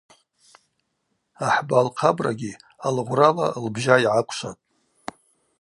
Ахӏба лхъабрагьи алыгъврала лбжьа йгӏаквшватӏ.